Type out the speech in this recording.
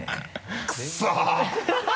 クソ！